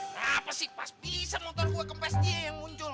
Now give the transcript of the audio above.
kenapa sih pas pisar nonton gue kempes dia yang muncul